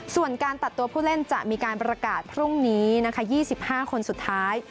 ส่วนการตัดตัวผู้เล่นจะมีการประกาศพรุ่งนี้นะคะ๒๕คนสุดท้าย